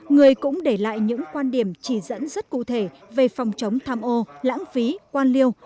người cũng để lại những quan điểm chỉ dẫn rất cụ thể về phòng chống tham ô lãng phí quan liêu